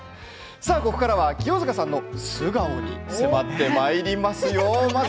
さあここからは清塚さんの素顔に迫ってまいります。